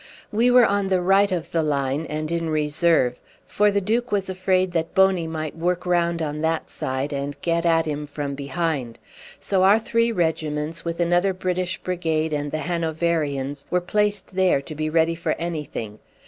We were on the right of the line and in reserve, for the Duke was afraid that Boney might work round on that side and get at him from behind; so our three regiments, with another British brigade and the Hanoverians, were placed there to be ready for anything.